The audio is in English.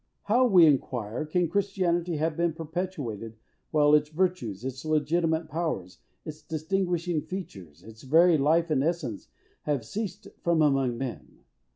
How, we inquire, can Christianity have been perpetuated, while its virtues, its legitimate powers, its distinguishing features, its very life and essence have ceased from among men?